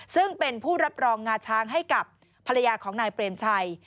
ซึ่งเป็นผู้รับรองงาช้างให้กับภรรยาของนายเปรมชัย